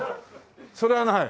それはない？